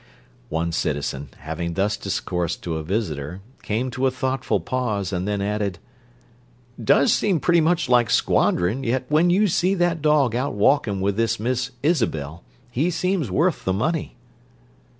One citizen, having thus discoursed to a visitor, came to a thoughtful pause, and then added, "Does seem pretty much like squandering, yet when you see that dog out walking with this Miss Isabel, he seems worth the money."